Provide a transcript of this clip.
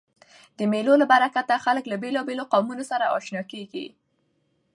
د مېلو له برکته خلک له بېلابېلو قومو سره آشنا کېږي.